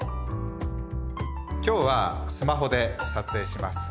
今日はスマホで撮影します。